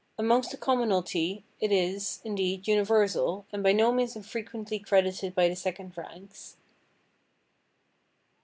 Amongst the commonalty it is, indeed, universal, and by no means unfrequently credited by the second ranks.